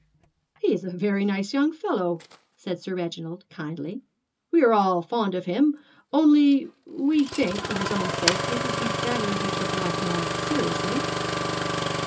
'He is a very nice young fellow!' said Sir Reginald kindly; 'we are all fond of him; only we think for his own sake it would be better if he took life more seriously.'